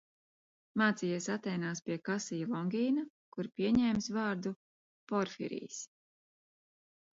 Mācījies Atēnās pie Kasija Longīna, kur pieņēmis vārdu Porfirijs.